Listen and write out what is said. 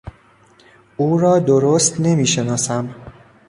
او را درست نمیشناسم.